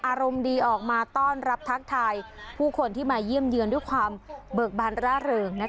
อารมณ์ดีออกมาต้อนรับทักทายผู้คนที่มาเยี่ยมเยือนด้วยความเบิกบานร่าเริง